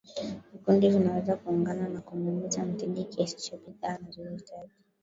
vikundi vinaweza kuungana na kumuuzia mteja kiasi cha bidhaa anazohitaji